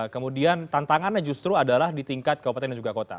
kemudian tantangannya justru adalah di tingkat kabupaten dan juga kota